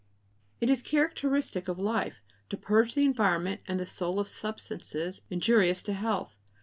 It is characteristic of "life" to purge the environment and the soul of substances injurious to health.